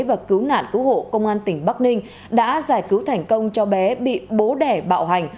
và cứu nạn cứu hộ công an tỉnh bắc ninh đã giải cứu thành công cho bé bị bố đẻ bạo hành